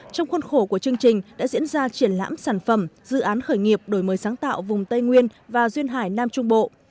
trong khuôn khổ của chương trình đã diễn ra triển lãm sản phẩm dự án khởi nghiệp đổi mới sáng tạo vùng tây nguyên và duyên hải nam trung bộ